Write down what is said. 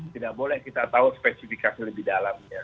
tidak boleh kita tahu spesifikasi lebih dalamnya